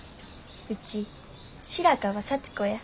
ウチ白川幸子や。